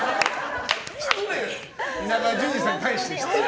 稲川淳二さんに対して失礼！